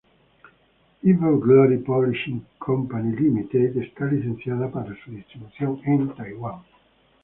Ever Glory Publishing Co., Ltd está licenciada para su distribución en Taiwán.